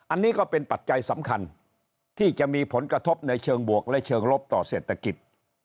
อันนี้ก็เป็นปัจจัยสำคัญที่จะมีผลกระทบในเชิงบวกและเชิงลบต่อเศรษฐกิจ